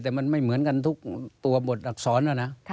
แต่มันไม่เหมือนกันทุกตัวบทอักษรนะนะ